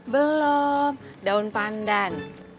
belom daun pandan